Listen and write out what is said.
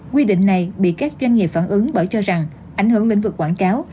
quy định này bị các doanh nghiệp phản ứng bởi cho rằng ảnh hưởng lĩnh vực quảng cáo